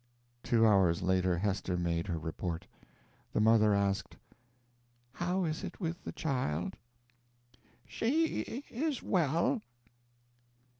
Two hours later Hester made her report. The mother asked: "How is it with the child?" "She is well."